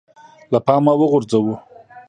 له پامه وغورځوو